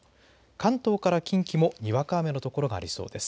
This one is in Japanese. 関東から近畿もにわか雨の所がありそうです。